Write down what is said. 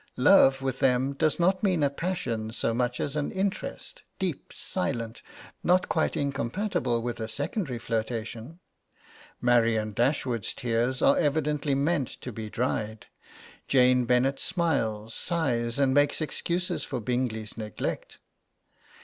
Love with them does not mean a passion so much as an interest, deep, silent, not quite incompatible with a secondary flirtation. Marianne Dashwood's tears are evidently meant to be dried. Jane Bennet smiles, sighs and makes excuses for Bingley's neglect.